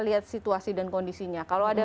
lihat situasi dan kondisinya kalau ada